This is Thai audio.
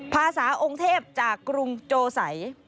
ภาษาองค์เทพจากกรุงโจสัย